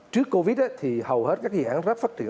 trước covid thì hầu hết các dự án rất phát triển